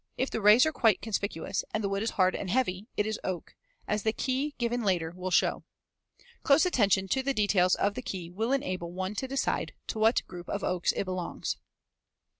If the rays are quite conspicuous and the wood is hard and heavy, it is oak, as the key given later will show. Close attention to the details of the key will enable one to decide to what group of oaks it belongs.